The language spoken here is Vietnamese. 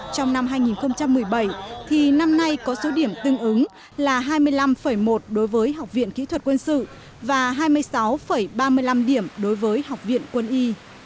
trong năm hai nghìn một mươi bảy thì năm nay có số điểm tương ứng là hai mươi năm một đối với học viện kỹ thuật quân sự và hai mươi sáu ba mươi năm điểm đối với học viện quân y